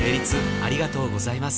ありがとうございます。